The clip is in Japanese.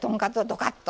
どかっと。